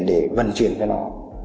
để vận chuyển cho nó